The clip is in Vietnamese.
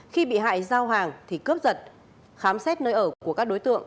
khi bị hại giao hàng thì cướp giật khám xét nơi ở của các đối tượng